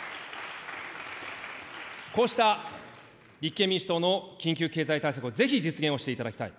こうした立憲民主党の緊急経済対策をぜひ実現をしていただきたい。